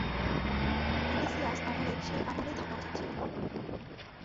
Cretaceous আমলের, সেই আমলেই থাকা উচিত ছিল।